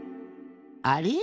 あれ？